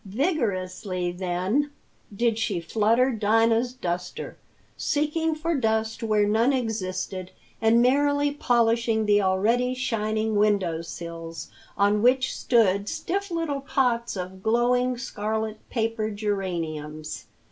Vigorously, then, did she flutter Dinah's duster, seeking for dust where none existed, and merrily polishing the already shining window sills, on which stood stiff little pots of glowing scarlet paper geraniums.